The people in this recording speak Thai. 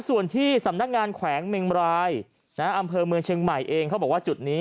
ส่วนที่สำนักงานแขวงเมงรายอำเภอเมืองเชียงใหม่เองเขาบอกว่าจุดนี้